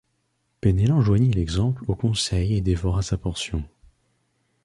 Penellan joignit l’exemple au conseil et dévora sa portion.